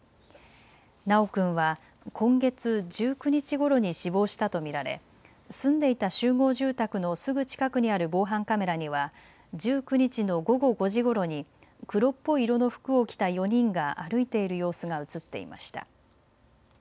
修君は今月１９日ごろに死亡したと見られ住んでいた集合住宅のすぐ近くにある防犯カメラには１９日の午後５時ごろに黒っぽい色の服を着た４人が歩いている様子が映っていました。